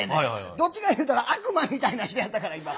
どっちかいうたら悪魔みたいな人やったから今。